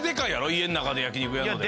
家の中で焼き肉やるので。